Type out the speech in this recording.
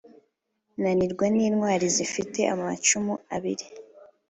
nanirwa n’intwali zifite amacumu abili.